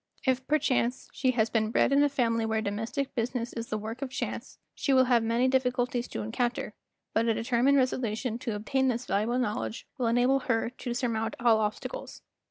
lf } perchance, she has been bred in a family where domestic business is the work of chance, she will have many difficulties to encounter; but a deter¬ mined resolution to obtain this valuable knowledge will enable her to surmount all obstacles.